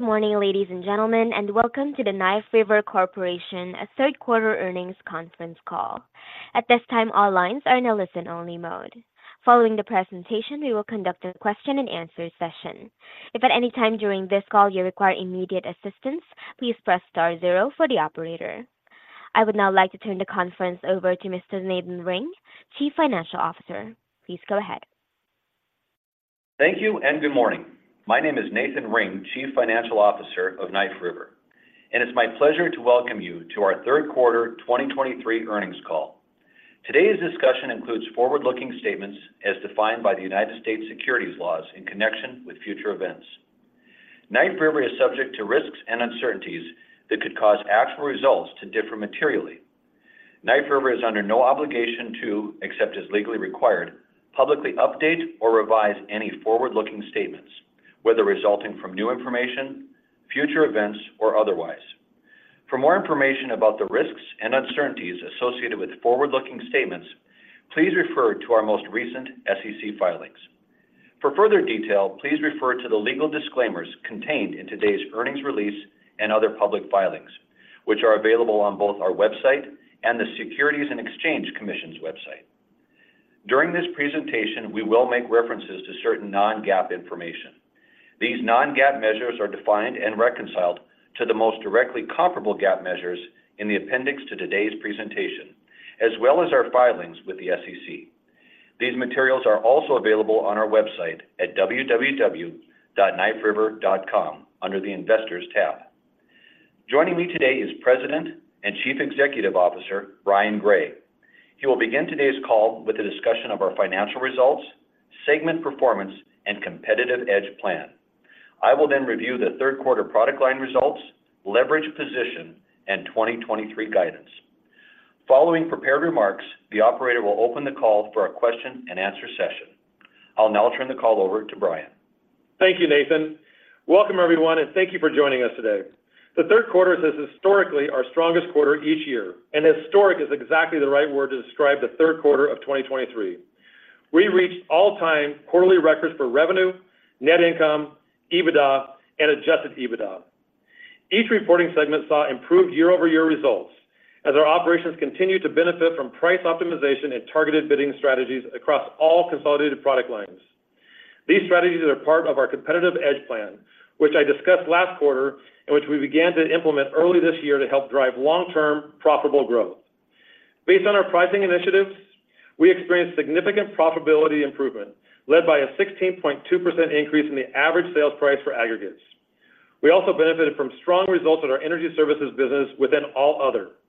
Good morning, ladies and gentlemen, and welcome to the Knife River Corporation, a third quarter earnings conference call. At this time, all lines are in a listen-only mode. Following the presentation, we will conduct a question-and-answer session. If at any time during this call you require immediate assistance, please press star zero for the operator. I would now like to turn the conference over to Mr. Nathan Ring, Chief Financial Officer. Please go ahead. Thank you and good morning. My name is Nathan Ring, Chief Financial Officer of Knife River, and it's my pleasure to welcome you to our Third Quarter 2023 Earnings Call. Today's discussion includes forward-looking statements as defined by the United States securities laws in connection with future events. Knife River is subject to risks and uncertainties that could cause actual results to differ materially. Knife River is under no obligation to, except as legally required, publicly update or revise any forward-looking statements, whether resulting from new information, future events, or otherwise. For more information about the risks and uncertainties associated with forward-looking statements, please refer to our most recent SEC filings. For further detail, please refer to the legal disclaimers contained in today's earnings release and other public filings, which are available on both our website and the Securities and Exchange Commission's website. During this presentation, we will make references to certain non-GAAP information. These non-GAAP measures are defined and reconciled to the most directly comparable GAAP measures in the appendix to today's presentation, as well as our filings with the SEC. These materials are also available on our website at www.kniferiver.com under the Investors tab. Joining me today is President and Chief Executive Officer, Brian Gray. He will begin today's call with a discussion of our financial results, segment performance, and competitive EDGE plan. I will then review the third quarter product line results, leverage position, and 2023 guidance. Following prepared remarks, the operator will open the call for a question-and-answer session. I'll now turn the call over to Brian. Thank you, Nathan. Welcome, everyone, and thank you for joining us today. The third quarter is historically our strongest quarter each year, and historic is exactly the right word to describe the third quarter of 2023. We reached all-time quarterly records for revenue, net income, EBITDA, and adjusted EBITDA. Each reporting segment saw improved year-over-year results as our operations continued to benefit from price optimization and targeted bidding strategies across all consolidated product lines. These strategies are part of our Competitive EDGE plan, which I discussed last quarter in which we began to implement early this year to help drive long-term profitable growth. Based on our pricing initiatives, we experienced significant profitability improvement, led by a 16.2% increase in the average sales price for aggregates. We also benefited from strong results in our Energy Services business within All Other.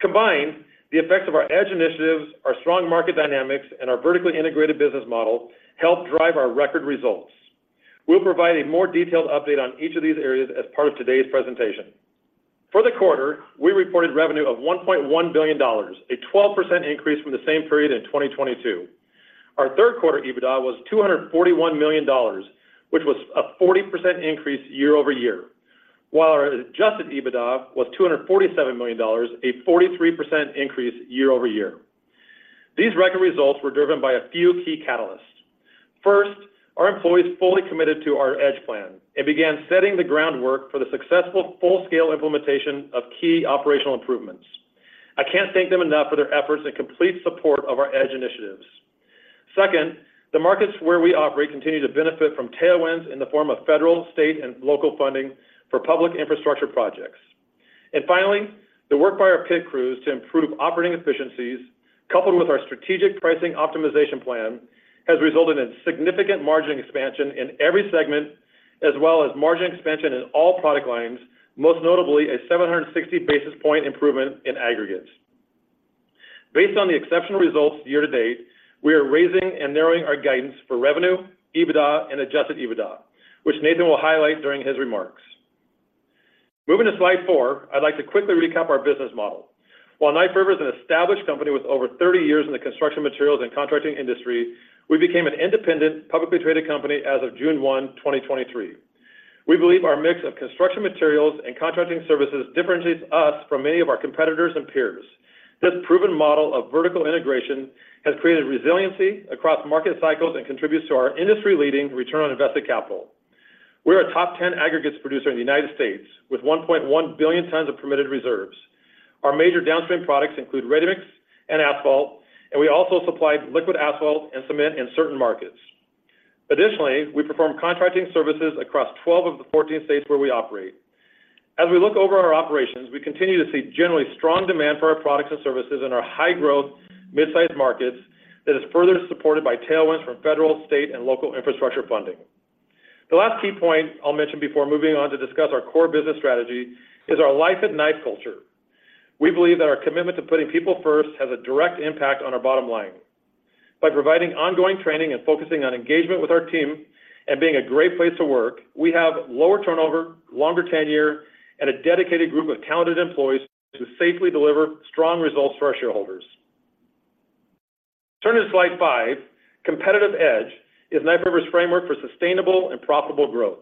Combined, the effects of our EDGE initiatives, our strong market dynamics, and our vertically integrated business model helped drive our record results. We'll provide a more detailed update on each of these areas as part of today's presentation. For the quarter, we reported revenue of $1.1 billion, a 12% increase from the same period in 2022. Our third quarter EBITDA was $241 million, which was a 40% increase year-over-year, while our adjusted EBITDA was $247 million, a 43% increase year-over-year. These record results were driven by a few key catalysts. First, our employees fully committed to our EDGE plan and began setting the groundwork for the successful full-scale implementation of key operational improvements. I can't thank them enough for their efforts and complete support of our EDGE initiatives. Second, the markets where we operate continue to benefit from tailwinds in the form of federal, state, and local funding for public infrastructure projects. And finally, the work by our PIT Crews to improve operating efficiencies, coupled with our strategic pricing optimization plan, has resulted in significant margin expansion in every segment, as well as margin expansion in all product lines, most notably a 760 basis point improvement in aggregates. Based on the exceptional results year to date, we are raising and narrowing our guidance for revenue, EBITDA, and adjusted EBITDA, which Nathan will highlight during his remarks. Moving to slide 4, I'd like to quickly recap our business model. While Knife River is an established company with over 30 years in the construction materials and contracting industry, we became an independent, publicly traded company as of June 1, 2023. We believe our mix of construction materials and contracting services differentiates us from many of our competitors and peers. This proven model of vertical integration has created resiliency across market cycles and contributes to our industry-leading return on invested capital. We're a top 10 aggregates producer in the United States, with 1.1 billion tons of permitted reserves. Our major downstream products include ready-mix and asphalt, and we also supply liquid asphalt and cement in certain markets. Additionally, we perform contracting services across 12 of the 14 states where we operate. As we look over our operations, we continue to see generally strong demand for our products and services in our high-growth, mid-sized markets that is further supported by tailwinds from federal, state, and local infrastructure funding. The last key point I'll mention before moving on to discuss our core business strategy is our Life at Knife culture. We believe that our commitment to putting people first has a direct impact on our bottom line. By providing ongoing training and focusing on engagement with our team and being a great place to work, we have lower turnover, longer tenure, and a dedicated group of talented employees to safely deliver strong results for our shareholders. Turning to slide 5, Competitive EDGE is Knife River's framework for sustainable and profitable growth.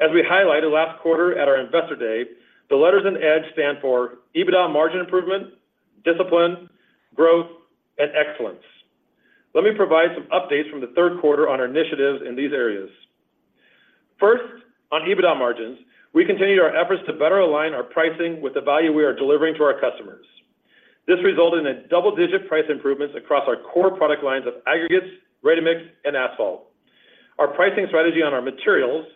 As we highlighted last quarter at our Investor Day, the letters in EDGE stand for EBITDA margin improvement, discipline, growth, and excellence. Let me provide some updates from the third quarter on our initiatives in these areas. First, on EBITDA margins, we continued our efforts to better align our pricing with the value we are delivering to our customers. This resulted in a double-digit price improvements across our core product lines of aggregates, ready-mix, and asphalt. Our pricing strategy on our materials,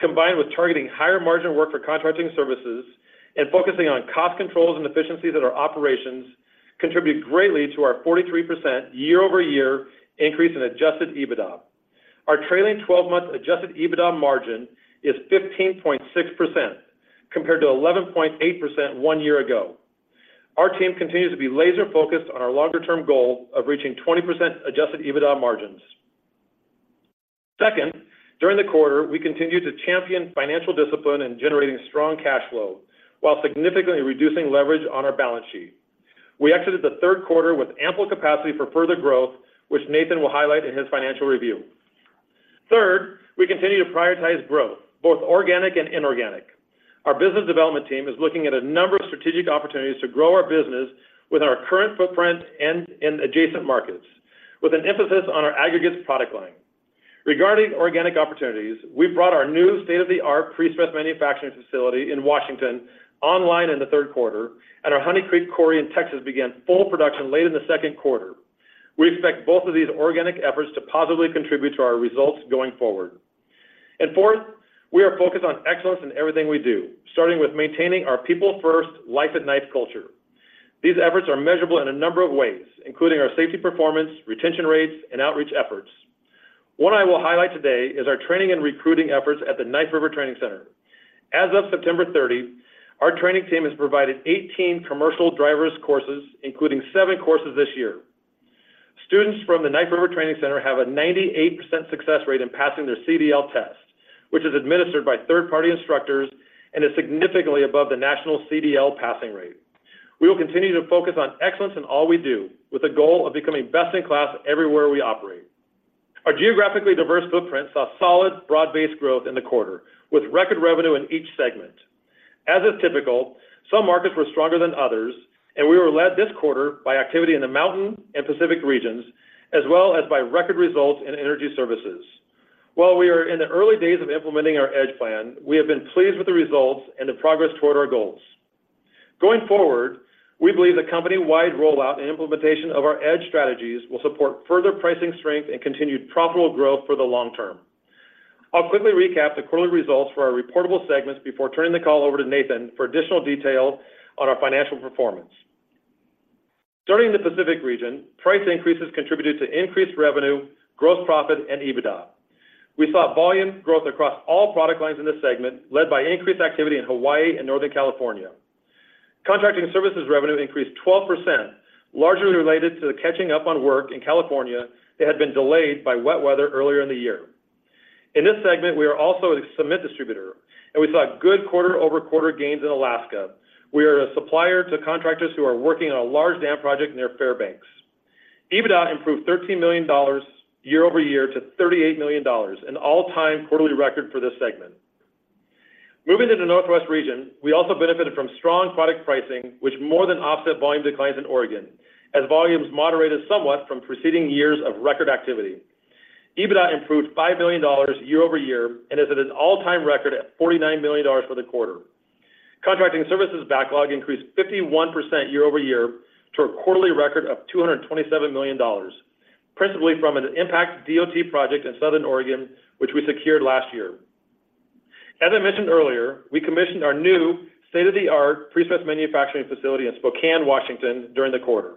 combined with targeting higher margin work for contracting services and focusing on cost controls and efficiencies at our operations, contributed greatly to our 43% year-over-year increase in Adjusted EBITDA. Our trailing 12-month Adjusted EBITDA margin is 15.6%, compared to 11.8% one year ago. Our team continues to be laser-focused on our longer-term goal of reaching 20% Adjusted EBITDA margins. Second, during the quarter, we continued to champion financial discipline and generating strong cash flow while significantly reducing leverage on our balance sheet. We exited the third quarter with ample capacity for further growth, which Nathan will highlight in his financial review. Third, we continue to prioritize growth, both organic and inorganic. Our business development team is looking at a number of strategic opportunities to grow our business with our current footprint and in adjacent markets, with an emphasis on our aggregates product line. Regarding organic opportunities, we brought our new state-of-the-art prestress manufacturing facility in Washington online in the third quarter, and our Honey Creek Quarry in Texas began full production late in the second quarter. We expect both of these organic efforts to positively contribute to our results going forward. And fourth, we are focused on excellence in everything we do, starting with maintaining our people-first Life at Knife culture. These efforts are measurable in a number of ways, including our safety performance, retention rates, and outreach efforts. One I will highlight today is our training and recruiting efforts at the Knife River Training Center. As of September 30, our training team has provided 18 commercial drivers courses, including 7 courses this year. Students from the Knife River Training Center have a 98% success rate in passing their CDL test, which is administered by third-party instructors and is significantly above the national CDL passing rate. We will continue to focus on excellence in all we do, with a goal of becoming best-in-class everywhere we operate. Our geographically diverse footprint saw solid, broad-based growth in the quarter, with record revenue in each segment. As is typical, some markets were stronger than others, and we were led this quarter by activity in the Mountain and Pacific regions, as well as by record results in Energy Services. While we are in the early days of implementing our EDGE plan, we have been pleased with the results and the progress toward our goals. Going forward, we believe the company-wide rollout and implementation of our EDGE strategies will support further pricing strength and continued profitable growth for the long term. I'll quickly recap the quarterly results for our reportable segments before turning the call over to Nathan for additional detail on our financial performance. Starting in the Pacific region, price increases contributed to increased revenue, gross profit, and EBITDA. We saw volume growth across all product lines in this segment, led by increased activity in Hawaii and Northern California. Contracting services revenue increased 12%, largely related to the catching up on work in California that had been delayed by wet weather earlier in the year. In this segment, we are also a cement distributor, and we saw good quarter-over-quarter gains in Alaska. We are a supplier to contractors who are working on a large dam project near Fairbanks. EBITDA improved $13 million year-over-year to $38 million, an all-time quarterly record for this segment. Moving to the Northwest region, we also benefited from strong product pricing, which more than offset volume declines in Oregon, as volumes moderated somewhat from preceding years of record activity. EBITDA improved $5 million year-over-year and is at an all-time record at $49 million for the quarter. Contracting services backlog increased 51% year-over-year to a quarterly record of $227 million, principally from an ODOT project in Southern Oregon, which we secured last year. As I mentioned earlier, we commissioned our new state-of-the-art prestress manufacturing facility in Spokane, Washington, during the quarter.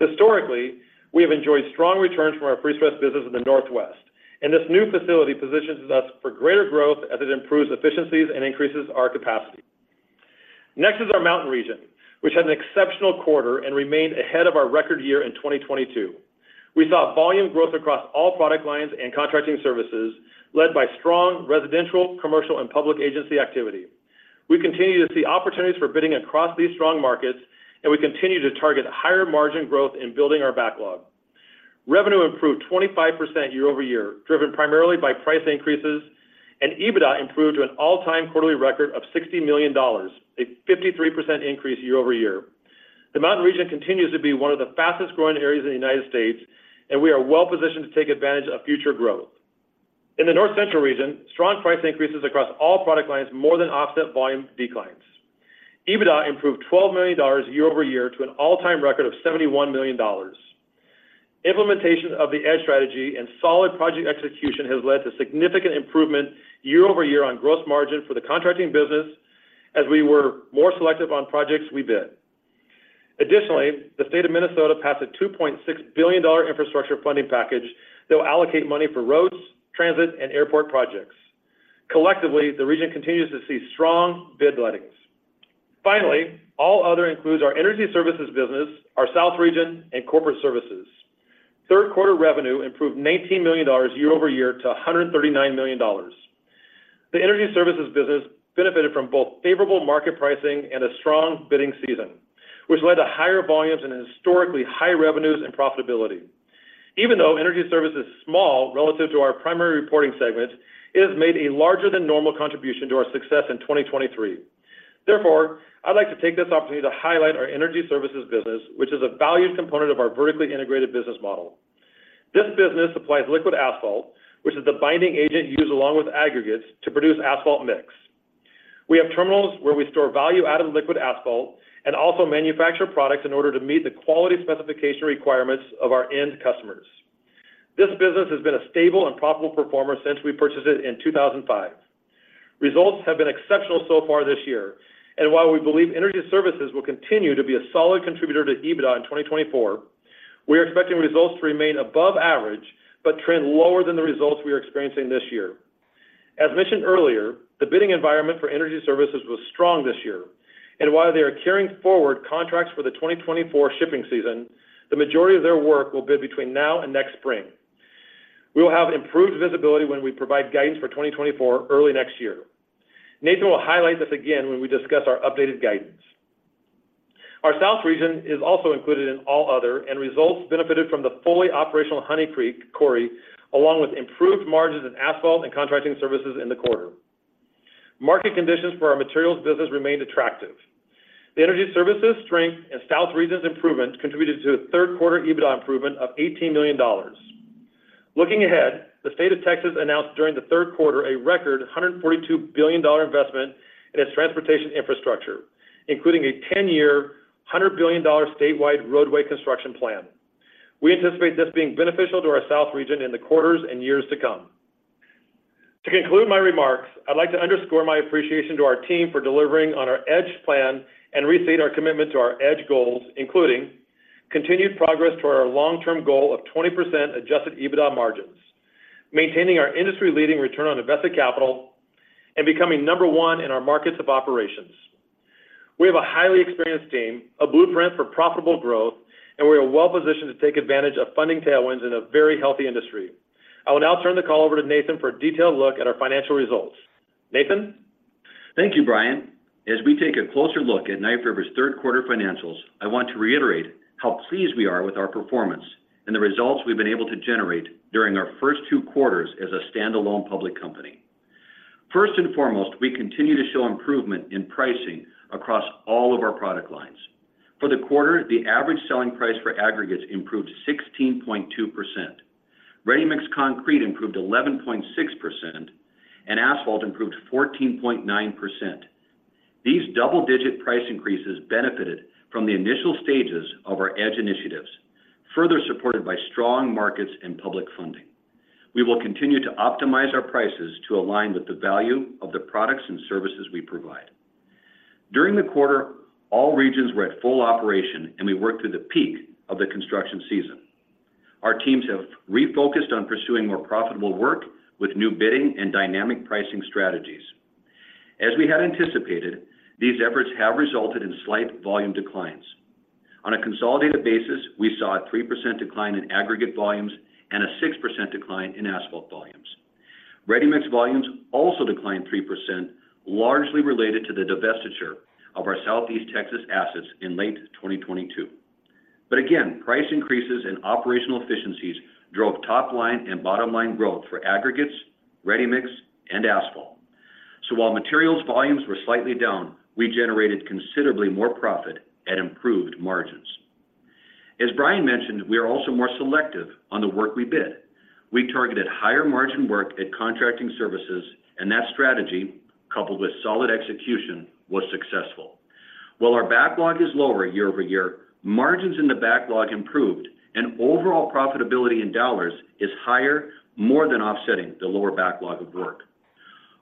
Historically, we have enjoyed strong returns from our prestress business in the Northwest, and this new facility positions us for greater growth as it improves efficiencies and increases our capacity. Next is our Mountain region, which had an exceptional quarter and remained ahead of our record year in 2022. We saw volume growth across all product lines and contracting services, led by strong residential, commercial, and public agency activity. We continue to see opportunities for bidding across these strong markets, and we continue to target higher margin growth in building our backlog. Revenue improved 25% year-over-year, driven primarily by price increases, and EBITDA improved to an all-time quarterly record of $60 million, a 53% increase year-over-year. The Mountain region continues to be one of the fastest-growing areas in the United States, and we are well positioned to take advantage of future growth. In the North Central region, strong price increases across all product lines more than offset volume declines. EBITDA improved $12 million year-over-year to an all-time record of $71 million. Implementation of the EDGE strategy and solid project execution has led to significant improvement year-over-year on gross margin for the contracting business, as we were more selective on projects we bid. Additionally, the state of Minnesota passed a $2.6 billion infrastructure funding package that will allocate money for roads, transit, and airport projects. Collectively, the region continues to see strong bid lettings. Finally, All Other includes our Energy Services business, our South region, and Corporate Services. Third quarter revenue improved $19 million year-over-year to $139 million. The Energy Services business benefited from both favorable market pricing and a strong bidding season, which led to higher volumes and historically high revenues and profitability. Even though Energy Services is small relative to our primary reporting segments, it has made a larger than normal contribution to our success in 2023. Therefore, I'd like to take this opportunity to highlight our Energy Services business, which is a valued component of our vertically integrated business model. This business supplies liquid asphalt, which is the binding agent used along with aggregates to produce asphalt mix. We have terminals where we store value-added liquid asphalt and also manufacture products in order to meet the quality specification requirements of our end customers. This business has been a stable and profitable performer since we purchased it in 2005. Results have been exceptional so far this year, and while we believe Energy Services will continue to be a solid contributor to EBITDA in 2024, we are expecting results to remain above average, but trend lower than the results we are experiencing this year. As mentioned earlier, the bidding environment for Energy Services was strong this year, and while they are carrying forward contracts for the 2024 shipping season, the majority of their work will be between now and next spring. We will have improved visibility when we provide guidance for 2024 early next year. Nathan will highlight this again when we discuss our updated guidance. Our South region is also included in All Other, and results benefited from the fully operational Honey Creek Quarry, along with improved margins in asphalt and contracting services in the quarter. Market conditions for our materials business remained attractive. The Energy Services strength and South region's improvement contributed to a third quarter EBITDA improvement of $18 million. Looking ahead, the state of Texas announced during the third quarter a record $142 billion investment in its transportation infrastructure, including a ten-year, $100 billion statewide roadway construction plan. We anticipate this being beneficial to our South region in the quarters and years to come. To conclude my remarks, I'd like to underscore my appreciation to our team for delivering on our EDGE Plan and restate our commitment to our EDGE goals, including: continued progress to our long-term goal of 20% Adjusted EBITDA margins, maintaining our industry-leading return on invested capital, and becoming number one in our markets of operations. We have a highly experienced team, a blueprint for profitable growth, and we are well positioned to take advantage of funding tailwinds in a very healthy industry. I will now turn the call over to Nathan for a detailed look at our financial results. Nathan? Thank you, Brian. As we take a closer look at Knife River's third quarter financials, I want to reiterate how pleased we are with our performance and the results we've been able to generate during our first two quarters as a standalone public company. First and foremost, we continue to show improvement in pricing across all of our product lines. For the quarter, the average selling price for aggregates improved 16.2%. Ready-Mix Concrete improved 11.6%, and asphalt improved 14.9%. These double-digit price increases benefited from the initial stages of our EDGE initiatives, further supported by strong markets and public funding. We will continue to optimize our prices to align with the value of the products and services we provide. During the quarter, all regions were at full operation, and we worked through the peak of the construction season. Our teams have refocused on pursuing more profitable work with new bidding and dynamic pricing strategies. As we had anticipated, these efforts have resulted in slight volume declines. On a consolidated basis, we saw a 3% decline in aggregate volumes and a 6% decline in asphalt volumes. Ready-Mix volumes also declined 3%, largely related to the divestiture of our Southeast Texas assets in late 2022. But again, price increases and operational efficiencies drove top line and bottom line growth for aggregates, Ready-Mix, and asphalt. So while materials volumes were slightly down, we generated considerably more profit at improved margins. As Brian mentioned, we are also more selective on the work we bid. We targeted higher margin work at contracting services, and that strategy, coupled with solid execution, was successful. While our backlog is lower year-over-year, margins in the backlog improved, and overall profitability in dollars is higher, more than offsetting the lower backlog of work.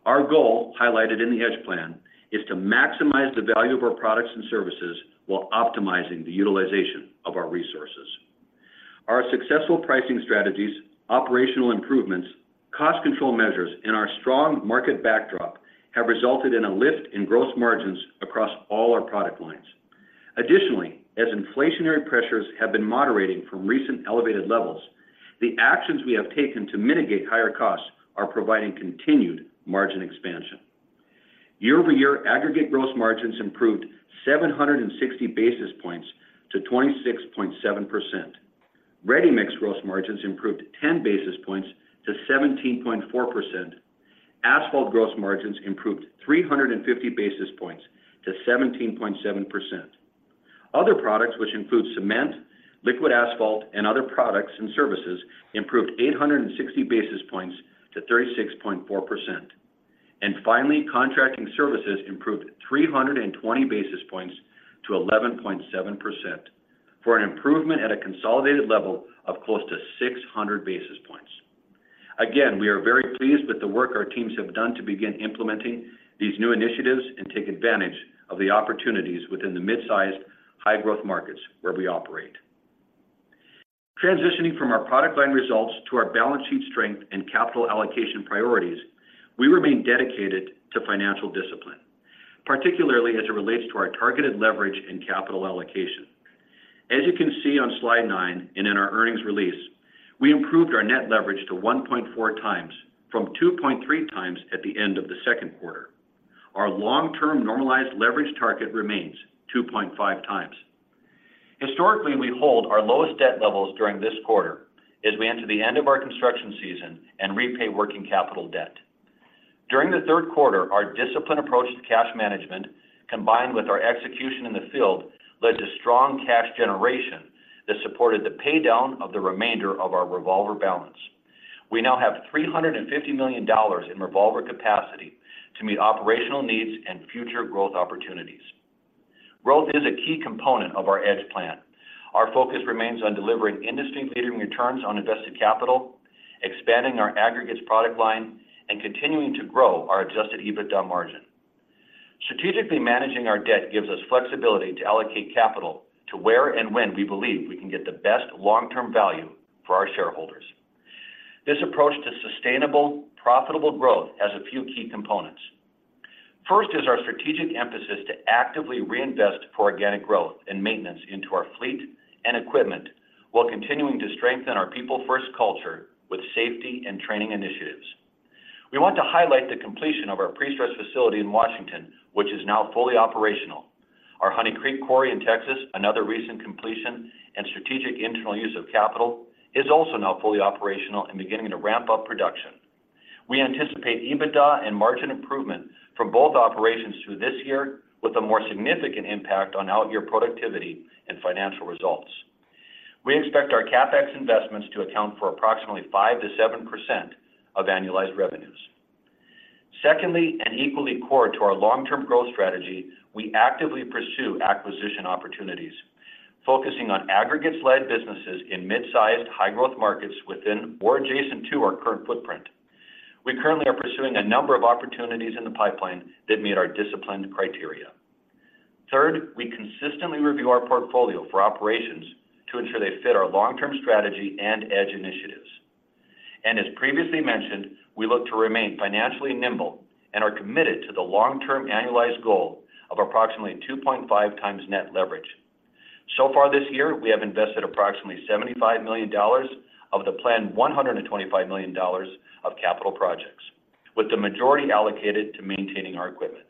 Our goal, highlighted in the EDGE Plan, is to maximize the value of our products and services while optimizing the utilization of our resources. Our successful pricing strategies, operational improvements, cost control measures, and our strong market backdrop have resulted in a lift in gross margins across all our product lines. Additionally, as inflationary pressures have been moderating from recent elevated levels, the actions we have taken to mitigate higher costs are providing continued margin expansion. Year-over-year, aggregate gross margins improved 760 basis points to 26.7%. Ready-mix gross margins improved 10 basis points to 17.4%. Asphalt gross margins improved 350 basis points to 17.7%. Other products, which include cement, liquid asphalt, and other products and services, improved 860 basis points to 36.4%. Finally, contracting services improved 320 basis points to 11.7%, for an improvement at a consolidated level of close to 600 basis points. Again, we are very pleased with the work our teams have done to begin implementing these new initiatives and take advantage of the opportunities within the mid-sized, high-growth markets where we operate. Transitioning from our product line results to our balance sheet strength and capital allocation priorities, we remain dedicated to financial discipline, particularly as it relates to our targeted leverage and capital allocation. As you can see on slide 9 and in our earnings release, we improved our net leverage to 1.4 times, from 2.3 times at the end of the second quarter. Our long-term normalized leverage target remains 2.5 times. Historically, we hold our lowest debt levels during this quarter as we enter the end of our construction season and repay working capital debt. During the third quarter, our disciplined approach to cash management, combined with our execution in the field, led to strong cash generation that supported the paydown of the remainder of our revolver balance. We now have $350 million in revolver capacity to meet operational needs and future growth opportunities. Growth is a key component of our EDGE plan. Our focus remains on delivering industry-leading returns on invested capital, expanding our aggregates product line, and continuing to grow our Adjusted EBITDA margin. Strategically managing our debt gives us flexibility to allocate capital to where and when we believe we can get the best long-term value for our shareholders. This approach to sustainable, profitable growth has a few key components. First is our strategic emphasis to actively reinvest for organic growth and maintenance into our fleet and equipment, while continuing to strengthen our people-first culture with safety and training initiatives. We want to highlight the completion of our prestress facility in Washington, which is now fully operational. Our Honey Creek Quarry in Texas, another recent completion and strategic internal use of capital, is also now fully operational and beginning to ramp up production. We anticipate EBITDA and margin improvement from both operations through this year, with a more significant impact on out-year productivity and financial results. We expect our CapEx investments to account for approximately 5%-7% of annualized revenues. Secondly, and equally core to our long-term growth strategy, we actively pursue acquisition opportunities, focusing on aggregates-led businesses in mid-sized, high-growth markets within or adjacent to our current footprint. We currently are pursuing a number of opportunities in the pipeline that meet our disciplined criteria. Third, we consistently review our portfolio for operations to ensure they fit our long-term strategy and EDGE initiatives. As previously mentioned, we look to remain financially nimble and are committed to the long-term annualized goal of approximately 2.5 times net leverage. So far this year, we have invested approximately $75 million of the planned $125 million of capital projects, with the majority allocated to maintaining our equipment.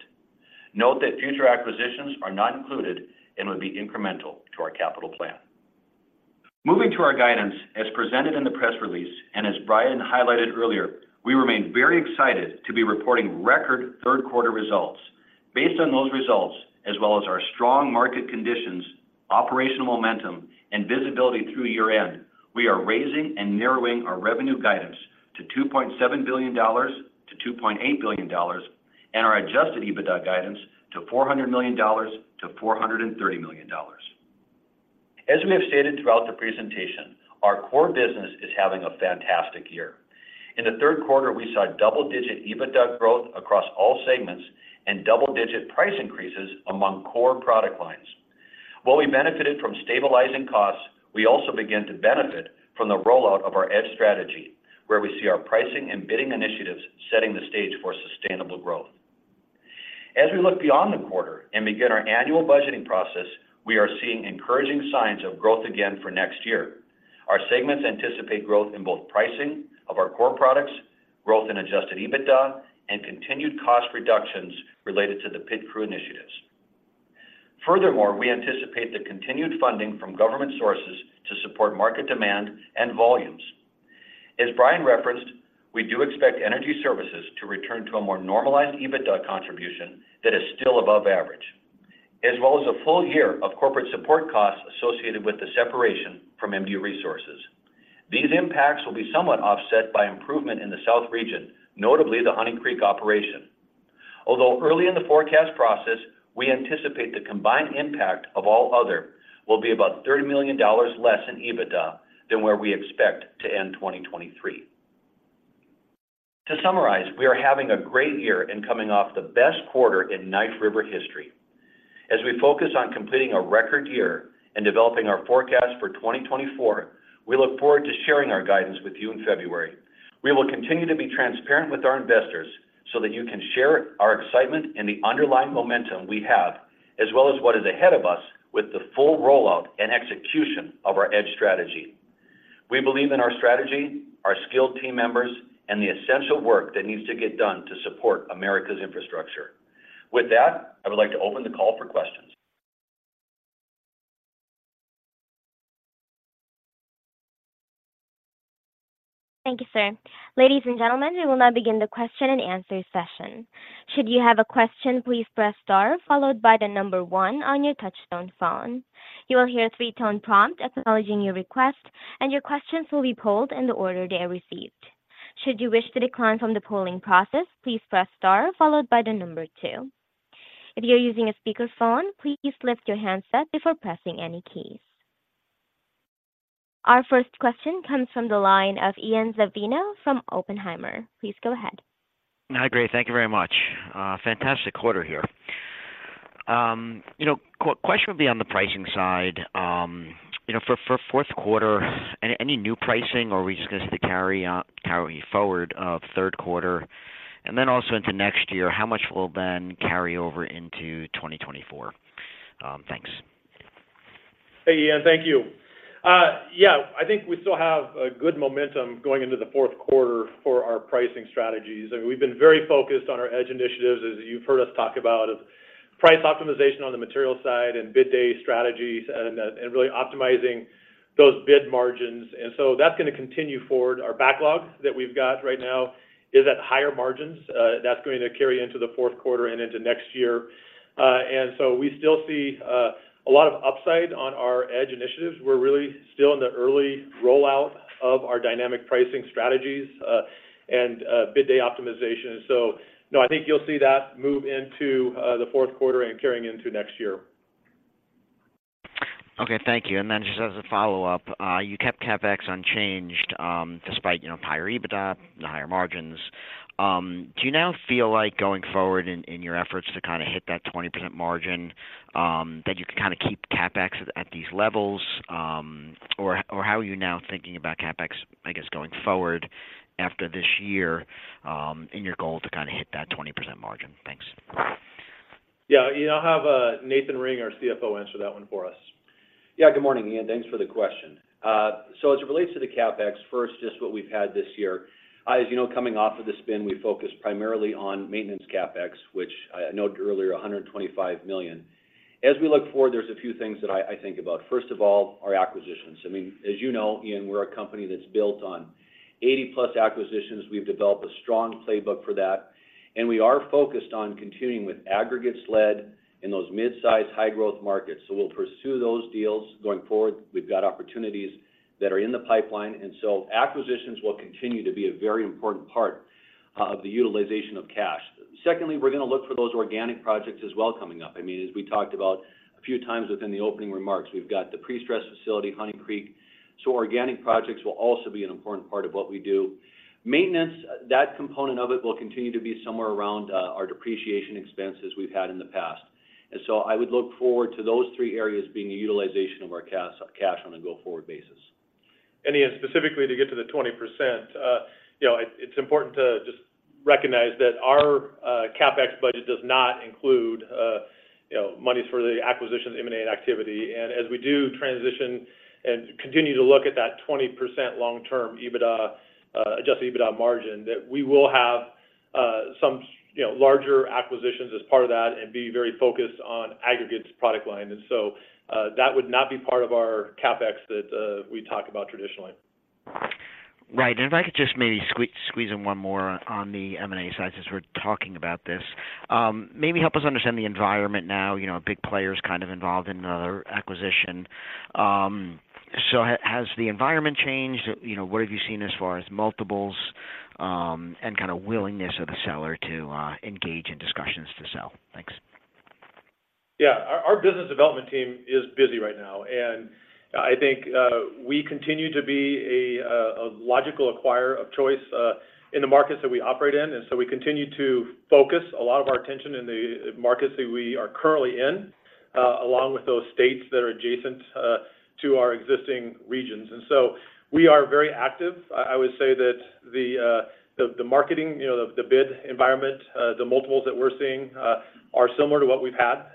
Note that future acquisitions are not included and would be incremental to our capital plan. Moving to our guidance, as presented in the press release and as Brian highlighted earlier, we remain very excited to be reporting record third quarter results. Based on those results, as well as our strong market conditions, operational momentum, and visibility through year-end, we are raising and narrowing our revenue guidance to $2.7 billion-$2.8 billion, and our Adjusted EBITDA guidance to $400 million-$430 million. As we have stated throughout the presentation, our core business is having a fantastic year. In the third quarter, we saw double-digit EBITDA growth across all segments and double-digit price increases among core product lines. While we benefited from stabilizing costs, we also began to benefit from the rollout of our EDGE strategy, where we see our pricing and bidding initiatives setting the stage for sustainable growth. As we look beyond the quarter and begin our annual budgeting process, we are seeing encouraging signs of growth again for next year. Our segments anticipate growth in both pricing of our core products, growth in adjusted EBITDA, and continued cost reductions related to the pit crew initiatives. Furthermore, we anticipate the continued funding from government sources to support market demand and volumes. As Brian referenced, we do expect Energy Services to return to a more normalized EBITDA contribution that is still above average, as well as a full year of corporate support costs associated with the separation from MDU Resources. These impacts will be somewhat offset by improvement in the South region, notably the Honey Creek operation. Although early in the forecast process, we anticipate the combined impact of All Other will be about $30 million less in EBITDA than where we expect to end 2023. To summarize, we are having a great year and coming off the best quarter in Knife River history. As we focus on completing a record year and developing our forecast for 2024, we look forward to sharing our guidance with you in February. We will continue to be transparent with our investors so that you can share our excitement and the underlying momentum we have, as well as what is ahead of us with the full rollout and execution of our EDGE strategy. We believe in our strategy, our skilled team members, and the essential work that needs to get done to support America's infrastructure. With that, I would like to open the call for questions. Thank you, sir. Ladies and gentlemen, we will now begin the question and answer session. Should you have a question, please press star followed by the number one on your touchtone phone. You will hear a three-tone prompt acknowledging your request, and your questions will be polled in the order they are received. Should you wish to decline from the polling process, please press star followed by the number two. If you're using a speakerphone, please lift your handset before pressing any keys. Our first question comes from the line of Ian Zaffino from Oppenheimer. Please go ahead. Hi, great. Thank you very much. Fantastic quarter here. You know, question would be on the pricing side. You know, for fourth quarter, any new pricing or are we just going to carry on, carry forward of third quarter? And then also into next year, how much will then carry over into 2024? Thanks. Hey, Ian, thank you. ... Yeah, I think we still have a good momentum going into the fourth quarter for our pricing strategies. I mean, we've been very focused on our EDGE initiatives, as you've heard us talk about, of price optimization on the material side and bid day strategies and really optimizing those bid margins. And so that's gonna continue forward. Our backlog that we've got right now is at higher margins. That's going to carry into the fourth quarter and into next year. And so we still see a lot of upside on our EDGE initiatives. We're really still in the early rollout of our dynamic pricing strategies and bid day optimization. So no, I think you'll see that move into the fourth quarter and carrying into next year. Okay, thank you. And then just as a follow-up, you kept CapEx unchanged, despite, you know, higher EBITDA and the higher margins. Do you now feel like going forward in your efforts to kind of hit that 20% margin, that you can kind of keep CapEx at these levels? Or how are you now thinking about CapEx, I guess, going forward after this year, in your goal to kind of hit that 20% margin? Thanks. Yeah. I'll have Nathan Ring, our CFO, answer that one for us. Yeah, good morning, Ian. Thanks for the question. So as it relates to the CapEx, first, just what we've had this year, as you know, coming off of the spin, we focused primarily on maintenance CapEx, which I noted earlier, $125 million. As we look forward, there's a few things that I think about. First of all, our acquisitions. I mean, as you know, Ian, we're a company that's built on 80+ acquisitions. We've developed a strong playbook for that, and we are focused on continuing with aggregates-led in those mid-size, high-growth markets. So we'll pursue those deals going forward. We've got opportunities that are in the pipeline, and so acquisitions will continue to be a very important part of the utilization of cash. Secondly, we're gonna look for those organic projects as well coming up. I mean, as we talked about a few times within the opening remarks, we've got the prestress facility, Honey Creek. So organic projects will also be an important part of what we do. Maintenance, that component of it will continue to be somewhere around our depreciation expenses we've had in the past. And so I would look forward to those three areas being the utilization of our cash on a go-forward basis. And Ian, specifically, to get to the 20%, you know, it, it's important to just recognize that our CapEx budget does not include, you know, monies for the acquisition, M&A activity. And as we do transition and continue to look at that 20% long-term EBITDA, Adjusted EBITDA margin, that we will have some, you know, larger acquisitions as part of that and be very focused on aggregates product line. And so, that would not be part of our CapEx that we talk about traditionally. Right. And if I could just maybe squeeze in one more on the M&A side, since we're talking about this. Maybe help us understand the environment now, you know, big players kind of involved in another acquisition. So has the environment changed? You know, what have you seen as far as multiples, and kind of willingness of the seller to engage in discussions to sell? Thanks. Yeah. Our business development team is busy right now, and I think we continue to be a logical acquirer of choice in the markets that we operate in. And so we continue to focus a lot of our attention in the markets that we are currently in, along with those states that are adjacent to our existing regions. And so we are very active. I would say that the marketing, you know, the bid environment, the multiples that we're seeing are similar to what we've had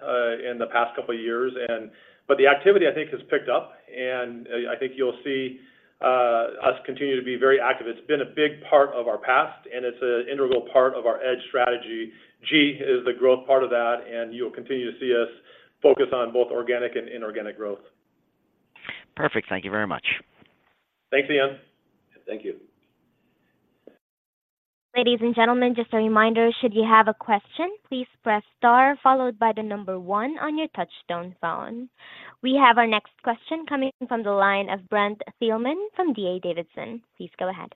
in the past couple of years. But the activity, I think, has picked up, and I think you'll see us continue to be very active. It's been a big part of our past, and it's an integral part of our EDGE strategy. G is the growth part of that, and you'll continue to see us focus on both organic and inorganic growth. Perfect. Thank you very much. Thanks, Ian. Thank you. Ladies and gentlemen, just a reminder, should you have a question, please press star followed by the number one on your touchtone phone. We have our next question coming from the line of Brent Thielman from D.A. Davidson. Please go ahead.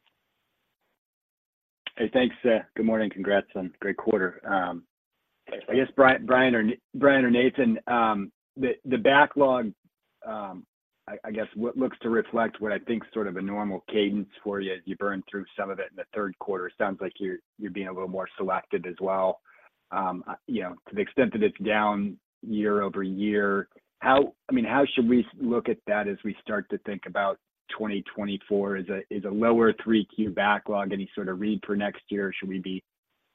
Hey, thanks. Good morning. Congrats on great quarter. Thanks. I guess, Brian or Nathan, the backlog, I guess, what looks to reflect what I think is sort of a normal cadence for you as you burn through some of it in the third quarter, it sounds like you're being a little more selective as well. You know, to the extent that it's down year-over-year, I mean, how should we look at that as we start to think about 2024? Is a lower 3Q backlog any sort of read for next year, or should we be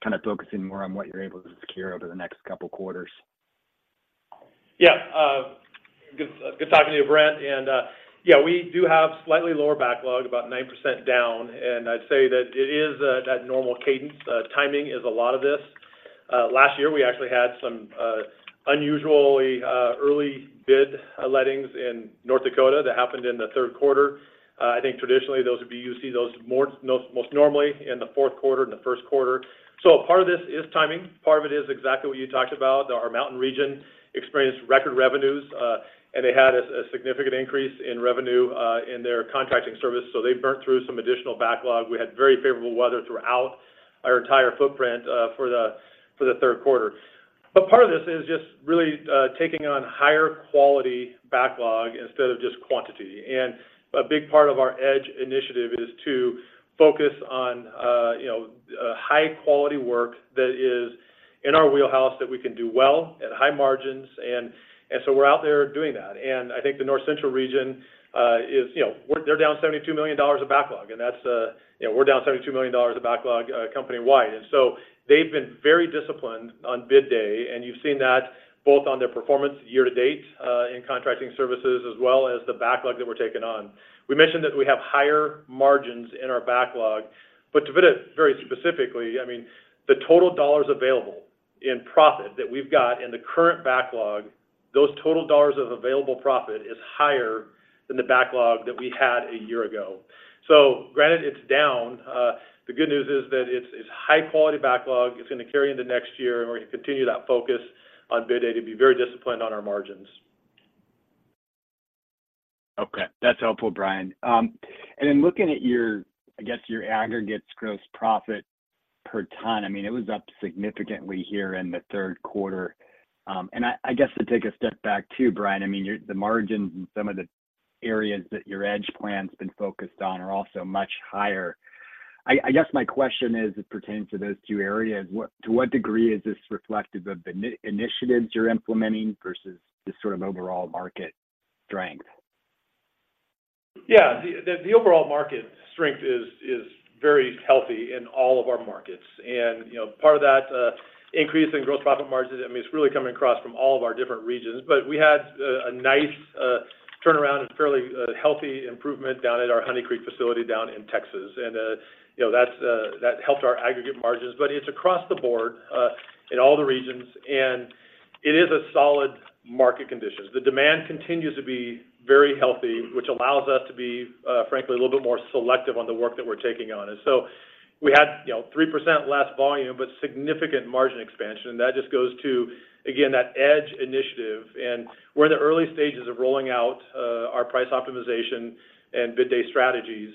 kind of focusing more on what you're able to secure over the next couple of quarters? Yeah, good, good talking to you, Brent. And, yeah, we do have slightly lower backlog, about 9% down, and I'd say that it is that normal cadence. Timing is a lot of this. Last year, we actually had some unusually early bid lettings in North Dakota that happened in the third quarter. I think traditionally, those would be. You see those more normally in the fourth quarter and the first quarter. So part of this is timing. Part of it is exactly what you talked about. Our Mountain region experienced record revenues, and they had a significant increase in revenue in their contracting service, so they burnt through some additional backlog. We had very favorable weather throughout our entire footprint for the third quarter. But part of this is just really taking on higher quality backlog instead of just quantity. And a big part of our EDGE initiative is to focus on, you know, high-quality work that is in our wheelhouse that we can do well at high margins, and so we're out there doing that. And I think the North Central region is, you know, we're, they're down $72 million of backlog, and that's, you know, we're down $72 million of backlog, company-wide. And so they've been very disciplined on bid day, and you've seen that both on their performance year-to-date in contracting services, as well as the backlog that we're taking on. We mentioned that we have higher margins in our backlog, but to put it very specifically, I mean, the total dollars available in profit that we've got in the current backlog, those total dollars of available profit is higher than the backlog that we had a year ago. So granted, it's down. The good news is that it's high-quality backlog. It's gonna carry into next year, and we're gonna continue that focus on bid day to be very disciplined on our margins. Okay. That's helpful, Brian. And in looking at your, I guess, your aggregates gross profit per ton, I mean, it was up significantly here in the third quarter. And I guess, to take a step back too, Brian, I mean, your - the margins in some of the areas that your EDGE plan's been focused on are also much higher. I guess, my question is, it pertains to those two areas. What - to what degree is this reflective of the initiatives you're implementing versus the sort of overall market strength? Yeah. The overall market strength is very healthy in all of our markets. And, you know, part of that increase in gross profit margins, I mean, it's really coming across from all of our different regions. But we had a nice turnaround and fairly healthy improvement down at our Honey Creek facility down in Texas. And, you know, that's that helped our aggregate margins. But it's across the board in all the regions, and it is a solid market conditions. The demand continues to be very healthy, which allows us to be frankly a little bit more selective on the work that we're taking on. And so we had, you know, 3% less volume, but significant margin expansion, and that just goes to, again, that EDGE initiative. We're in the early stages of rolling out our price optimization and bid day strategies.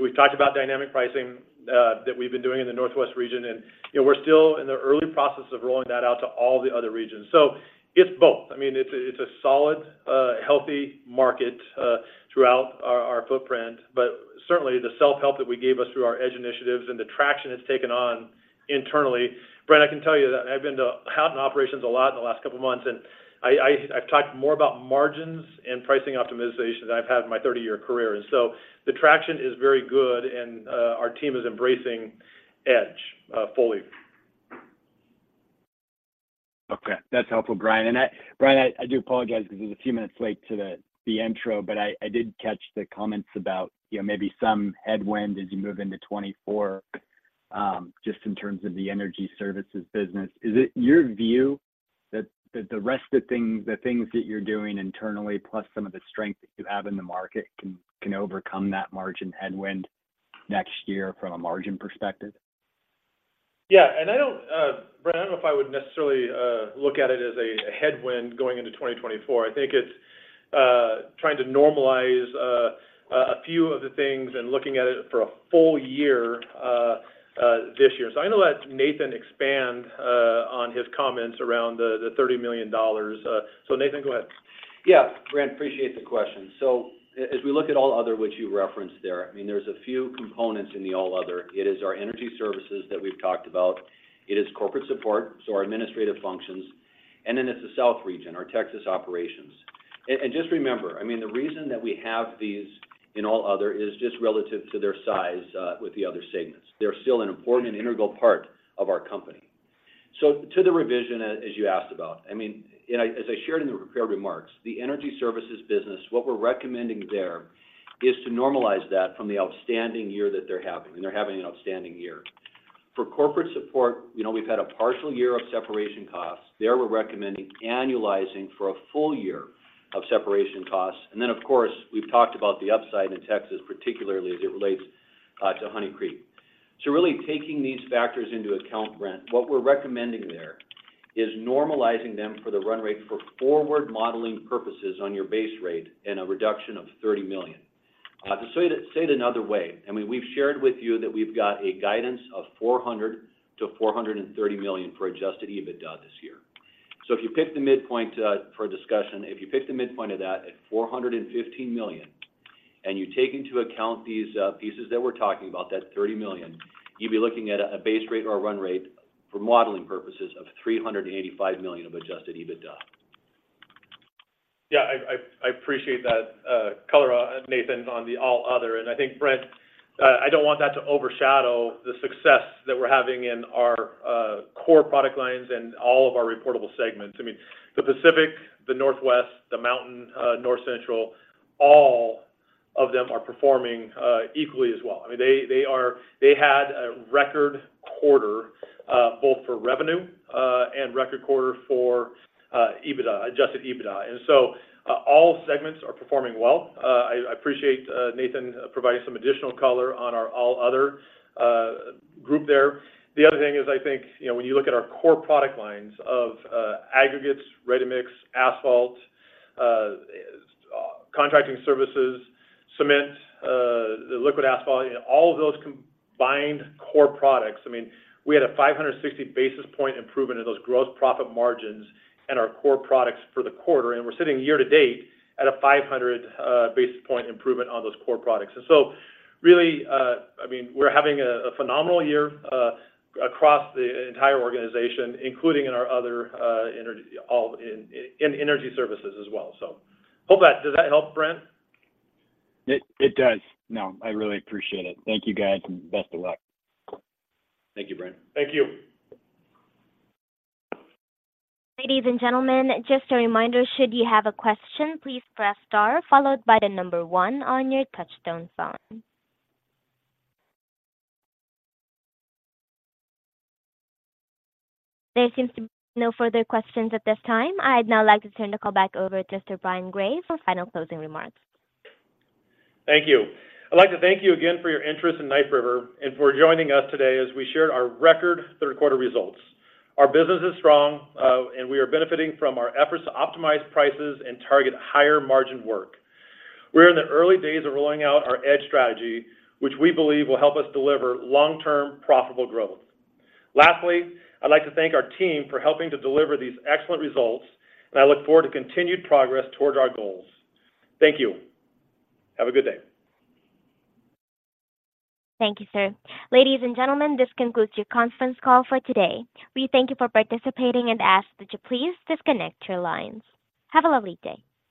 We've talked about dynamic pricing that we've been doing in the Northwest region, and, you know, we're still in the early process of rolling that out to all the other regions. So it's both. I mean, it's a solid healthy market throughout our footprint, but certainly, the self-help that we gave us through our EDGE initiatives and the traction it's taken on internally. Brent, I can tell you that I've been out in operations a lot in the last couple of months, and I've talked more about margins and pricing optimization than I've had in my 30-year career. So the traction is very good, and our team is embracing EDGE fully. Okay. That's helpful, Brian. And Brian, I do apologize because it's a few minutes late to the intro, but I did catch the comments about, you know, maybe some headwind as you move into 2024, just in terms of the Energy Services business. Is it your view that the rest of the things, the things that you're doing internally, plus some of the strength that you have in the market, can overcome that margin headwind next year from a margin perspective? Yeah. And I don't, Brent, I don't know if I would necessarily look at it as a headwind going into 2024. I think it's trying to normalize a few of the things and looking at it for a full year this year. So I'm gonna let Nathan expand on his comments around the $30 million. So Nathan, go ahead. Yeah. Brent, appreciate the question. So as we look at All Other, which you referenced there, I mean, there's a few components in the All Other. It is our Energy Services that we've talked about, it is corporate support, so our administrative functions, and then it's the South region, our Texas operations. And just remember, I mean, the reason that we have these in All Other is just relative to their size with the other segments. They're still an important and integral part of our company. So to the revision, as you asked about, I mean, and as I shared in the prepared remarks, the Energy Services business, what we're recommending there is to normalize that from the outstanding year that they're having, and they're having an outstanding year. For corporate support, you know, we've had a partial year of separation costs. There, we're recommending annualizing for a full year of separation costs. And then, of course, we've talked about the upside in Texas, particularly as it relates to Honey Creek. So really taking these factors into account, Brent, what we're recommending there is normalizing them for the run rate for forward modeling purposes on your base rate and a reduction of $30 million. To say it, say it another way, I mean, we've shared with you that we've got a guidance of $400 million-$430 million for Adjusted EBITDA this year. So if you pick the midpoint for discussion, if you pick the midpoint of that at $415 million, and you take into account these pieces that we're talking about, that $30 million, you'd be looking at a base rate or a run rate for modeling purposes of $385 million of Adjusted EBITDA. Yeah, I appreciate that color, Nathan, on the All Other, and I think, Brent, I don't want that to overshadow the success that we're having in our core product lines and all of our reportable segments. I mean, the Pacific, the Northwest, the Mountain, North Central, all of them are performing equally as well. I mean, they had a record quarter both for revenue and record quarter for EBITDA, adjusted EBITDA. And so, all segments are performing well. I appreciate Nathan providing some additional color on our All Other group there. The other thing is, I think, you know, when you look at our core product lines of aggregates, Ready-mix, asphalt, contracting services, cement, liquid asphalt, and all of those combined core products, I mean, we had a 560 basis point improvement in those gross profit margins and our core products for the quarter, and we're sitting year to date at a 500 basis point improvement on those core products. And so really, I mean, we're having a phenomenal year across the entire organization, including in our other energy, all in Energy Services as well. So hope that... Does that help, Brent? It does. No, I really appreciate it. Thank you, guys, and best of luck. Thank you, Brent. Thank you. Ladies and gentlemen, just a reminder, should you have a question, please press star, followed by the number one on your touchtone phone. There seems to be no further questions at this time. I'd now like to turn the call back over to Mr. Brian Gray for final closing remarks. Thank you. I'd like to thank you again for your interest in Knife River and for joining us today as we shared our record third quarter results. Our business is strong, and we are benefiting from our efforts to optimize prices and target higher margin work. We're in the early days of rolling out our EDGE strategy, which we believe will help us deliver long-term, profitable growth. Lastly, I'd like to thank our team for helping to deliver these excellent results, and I look forward to continued progress toward our goals. Thank you. Have a good day. Thank you, sir. Ladies and gentlemen, this concludes your conference call for today. We thank you for participating and ask that you please disconnect your lines. Have a lovely day.